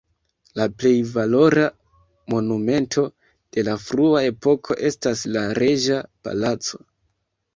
La plej valora monumento de la frua epoko estas la reĝa palaco.